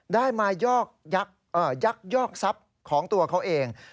ได้มายอกยักษ์ยักษ์ยอกทรัพย์ของตัวเขาเอง